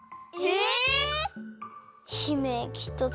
えっ！